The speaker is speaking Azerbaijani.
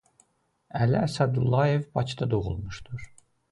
Əli Əsədullayev Bakıda doğulmuşdur.